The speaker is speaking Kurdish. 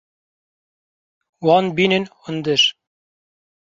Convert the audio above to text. Wan bînin hundir.